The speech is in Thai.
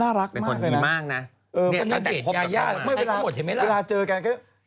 เนี่ยตั้งแต่พบกับเขานะใครก็หมดเห็นไหมล่ะเวลาเจอกันก็